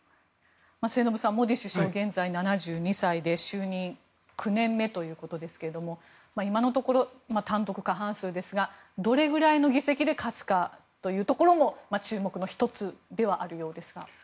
末延さんモディ首相、現在７２歳で就任９年目ということですが今のところ単独過半数ですがどれぐらいの議席で勝つかというところも注目の１つではあるようですが。